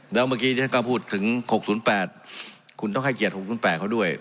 แล้วเมื่อกี้ที่ท่านกำพูดถึงหกศูนย์แปดคุณต้องให้เกียรติหกศูนย์แปดเขาด้วย